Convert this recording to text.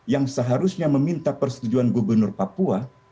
yang seharusnya meminta persetujuan gubernur papua